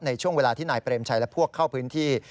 ในช่วงเวลาที่นายเปรมชัยและพวกเข้าพื้นที่